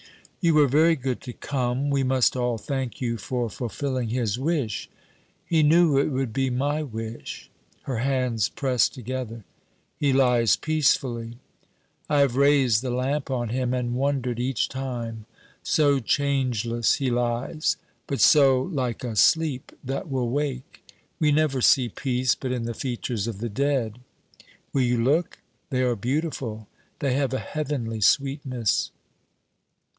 'You were very good to come. We must all thank you for fulfilling his wish.' 'He knew it would be my wish.' Her hands pressed together. 'He lies peacefully!' 'I have raised the lamp on him, and wondered each time. So changeless he lies. But so like a sleep that will wake. We never see peace but in the features of the dead. Will you look? They are beautiful. They have a heavenly sweetness.'